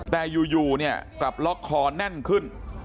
แต่อยู่เนี่ยกลับล็อกคอแน่นขึ้น